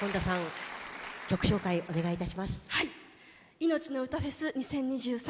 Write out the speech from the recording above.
「いのちのうたフェス２０２３」